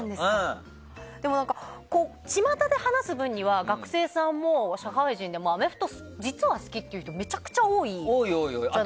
でも、巷で話す分には学生さんも社会人でもアメフト実は好きっていう人めちゃくちゃ多いじゃないですか。